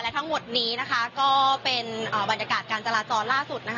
ค่ะและทั้งหมดนี้ก็เป็นบรรยากาศการจราจรล่าสุด